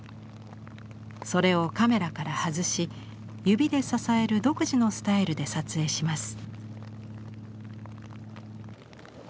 それをカメラから外し指で支える独自のスタイルで撮影します。